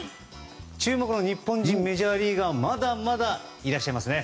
注目の日本人メジャーリーガーまだまだいらっしゃいますね。